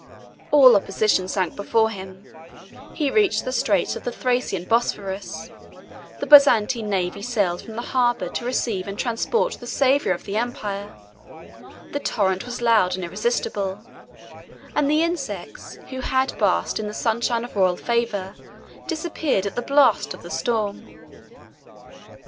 All opposition sunk before him; he reached the straits of the Thracian Bosphorus; the Byzantine navy sailed from the harbor to receive and transport the savior of the empire: the torrent was loud and irresistible, and the insects who had basked in the sunshine of royal favor disappeared at the blast of the storm.